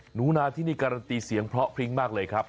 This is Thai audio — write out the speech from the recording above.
หนูนาที่นี่การันตีเสียงเพราะพริ้งมากเลยครับ